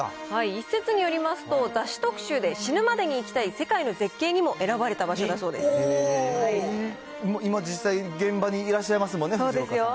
一説によりますと、雑誌特集で死ぬまでに行きたい世界の絶景にも選ばれた場所だそう今、実際、現場にいらっしゃいますもんね、藤岡さん。